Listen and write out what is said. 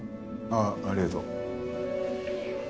ああありがとう。